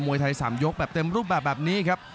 วยไทย๓ยกแบบเต็มรูปแบบนี้ครับ